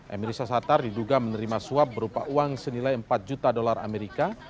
emir sashatar diduga menerima suap berupa uang senilai empat juta dolar amerika